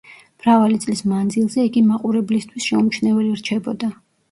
მრავალი წლის მანძილზე იგი მაყურებლისთვის შეუმჩნეველი რჩებოდა.